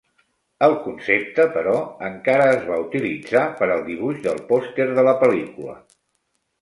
El concepte, però, encara es va utilitzar per al dibuix del pòster de la pel·lícula.